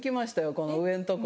この上んとこ。